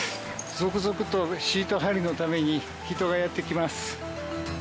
続々とシート張りのために人がやってきます。